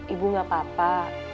ibu gak apa apa